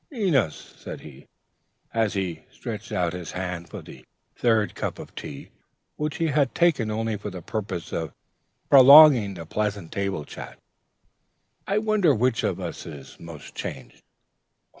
"Enos," said he, as he stretched out his hand for the third cup of tea (which he had taken only for the purpose of prolonging the pleasant table chat), "I wonder which of us is most changed."